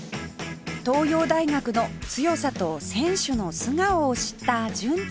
東洋大学の強さと選手の素顔を知った純ちゃん